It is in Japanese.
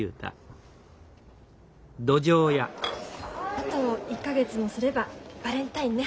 あと１か月もすればバレンタインね。